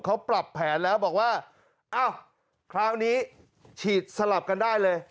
เขาปรับแผนแล้วบอกว่าอ้าวคราวนี้ฉีดสลับกันได้เลย